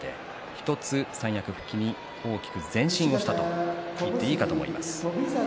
１つ三役復帰に大きく前進をしたと言っていいと思います。